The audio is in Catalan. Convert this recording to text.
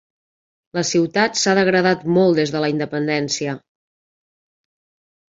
La ciutat s'ha degradat molt des de la independència.